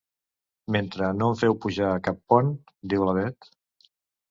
Mentre no em feu pujar a cap pont! —diu la Bet.